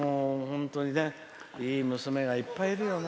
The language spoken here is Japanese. いい娘がいっぱいいるよな。